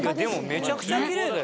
めちゃくちゃきれいだよ。